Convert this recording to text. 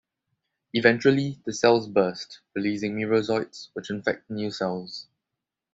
Eventually, the cells burst, releasing merozoites, which infect new cells.